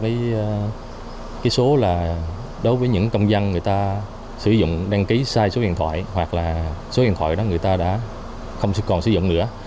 cái số là đối với những công dân người ta sử dụng đăng ký sai số điện thoại hoặc là số điện thoại đó người ta đã không còn sử dụng nữa